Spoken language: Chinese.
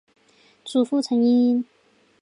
祖父陈尹英。